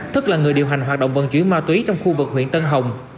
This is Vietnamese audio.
tức là người điều hành hoạt động vận chuyển ma túy trong khu vực huyện tân hồng